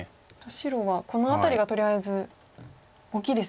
白はこの辺りがとりあえず大きいですね。